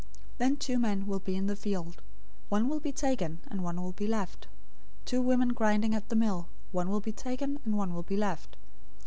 024:040 Then two men will be in the field: one will be taken and one will be left; 024:041 two women grinding at the mill, one will be taken and one will be left.